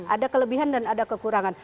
ada kelebihan dan ada kekurangan